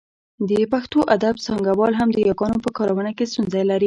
د پښتو ادب څانګوال هم د یاګانو په کارونه کې ستونزه لري